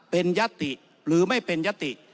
เป็นยัตติหรือไม่เป็นยติ